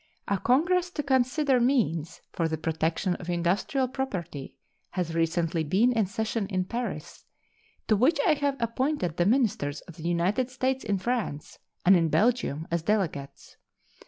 A congress to consider means for the protection of industrial property has recently been in session in Paris, to which I have appointed the ministers of the United States in France and in Belgium as delegates.